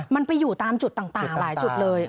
มันไปอยู่ตามจุดต่างหลายจุดเลย